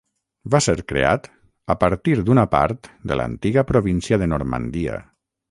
Va ser creat a partir d'una part de l'antiga província de Normandia.